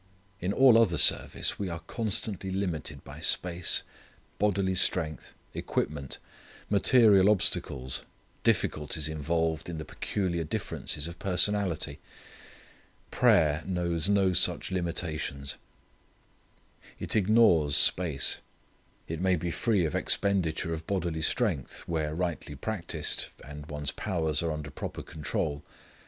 In all other service we are constantly limited by space, bodily strength, equipment, material obstacles, difficulties involved in the peculiar differences of personality. Prayer knows no such limitations. It ignores space. It may be free of expenditure of bodily strength, where rightly practiced, and one's powers are under proper control.